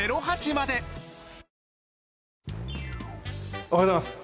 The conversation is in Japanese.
おはようございます。